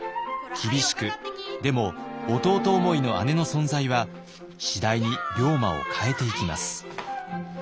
厳しくでも弟思いの姉の存在は次第に龍馬を変えていきます。